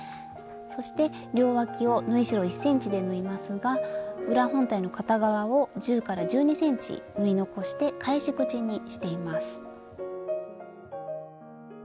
そして両わきを縫い代１ｃｍで縫いますが裏本体の片側を１０１２ｃｍ縫い残して返し口にしています。